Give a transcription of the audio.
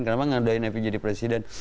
kenapa nggak doain evi jadi presiden